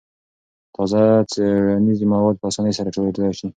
تازه څېړنیز مواد په اسانۍ سره راټولېدای شي.